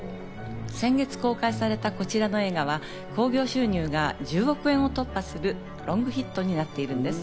先月公開された、こちらの映画は興行収入が１０億円を突破するロングヒットになっているんです。